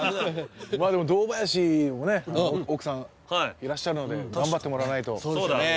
まあでも堂林もね奥さんいらっしゃるので頑張ってもらわないとそうですね